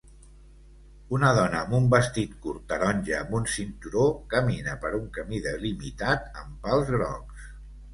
Una dona amb un vestit curt taronja amb un cinturó camina per un camí delimitat amb pals grocs